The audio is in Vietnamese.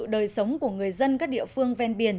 đời sống của người dân các địa phương ven biển